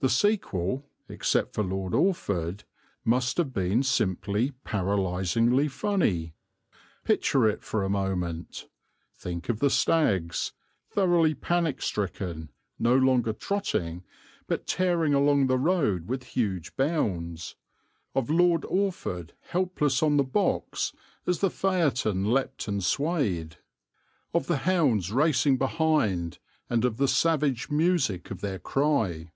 The sequel, except for Lord Orford, must have been simply paralysingly funny. Picture it for a moment. Think of the stags, thoroughly panic stricken, no longer trotting, but tearing along the road with huge bounds; of Lord Orford helpless on the box as the phaeton leapt and swayed; of the hounds racing behind and of the savage music of their cry.